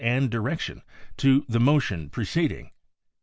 and direction to the motion preceding.